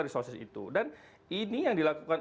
resources itu dan ini yang dilakukan